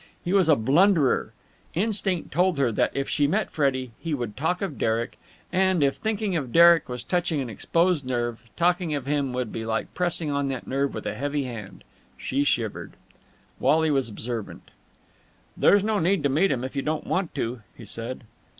He was a blunderer. Instinct told her that, if she met Freddie, he would talk of Derek, and, if thinking of Derek was touching an exposed nerve, talking of him would be like pressing on that nerve with a heavy hand. She shivered. Wally was observant. "There's no need to meet him if you don't want to," he said.